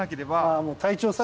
もう体調さえ？